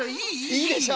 いいでしょ？